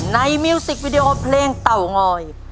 มิวสิกวิดีโอเพลงเต่างอย